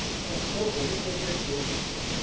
これお店でよろしいんですか？